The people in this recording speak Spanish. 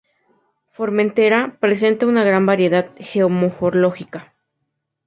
Formentera presenta una gran variedad geomorfológica.